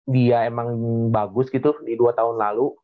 dia emang bagus gitu di dua tahun lalu